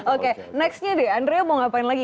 oke nextnya deh andrea mau ngapain lagi